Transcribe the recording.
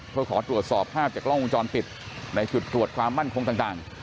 เพื่อขอตรวจสอบภาพจากกล้องวงจรปิดในจุดตรวจความมั่นคงต่าง